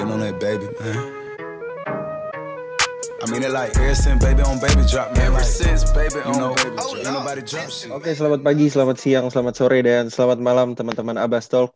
oke selamat pagi selamat siang selamat sore dan selamat malam teman teman abbastol